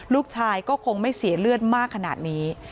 ลูกชายก็คงไม่เสียเลือดมากขนาดนี้